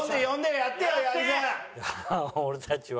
俺たちは。